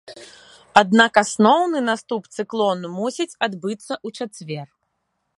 Аднак асноўны наступ цыклону мусіць адбыцца ў чацвер.